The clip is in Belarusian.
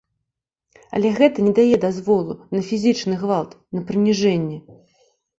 Але гэта не дае дазволу на фізічны гвалт, на прыніжэнні.